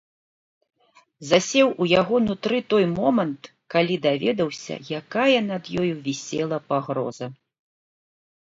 Засеў у яго нутры той момант, калі даведаўся, якая над ёю вісела пагроза.